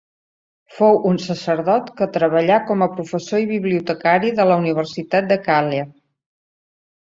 Fou un sacerdot que treballà com a professor i bibliotecari de la Universitat de Càller.